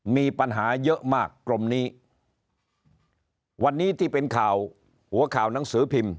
มีปัญหาเยอะมากกรมนี้วันนี้ที่เป็นข่าวหัวข่าวหนังสือพิมพ์